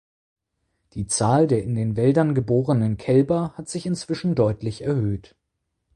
Die Zahl der in den Wäldern geborenen Kälber hat sich inzwischen deutlich erhöht.